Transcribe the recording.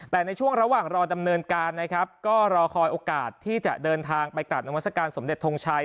แต่ในช่วงระหว่างรอดำเนินการนะครับก็รอคอยโอกาสที่จะเดินทางไปกราบนามัศกาลสมเด็จทงชัย